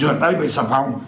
rửa tay với sạp hỏng